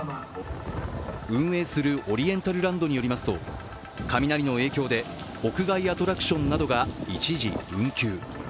運営するオリエンタルランドによりますと、雷の影響で屋外アトラクションなどが一時運休。